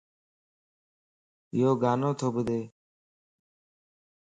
يوڳانوتو ٻڌ